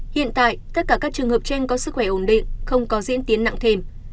hiện tại tất cả các trường hợp trên có sức khỏe ổn định không có diễn tiến nặng thêm